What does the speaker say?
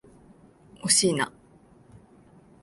惜しいな。